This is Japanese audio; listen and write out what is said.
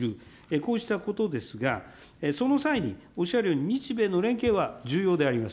こうしたことですが、その際に、おっしゃるように日米の連携は重要であります。